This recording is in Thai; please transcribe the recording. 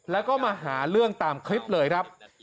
แล้วก็มาหาเรื่องตามคลิปเลยครับ